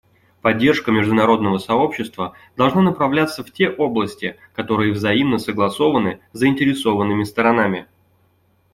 Поддержка международного сообщества должна направляться в те области, которые взаимно согласованы заинтересованными сторонами.